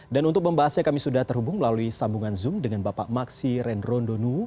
dan untuk pembahasnya kami sudah terhubung melalui sambungan zoom dengan bapak maksi ren rondonu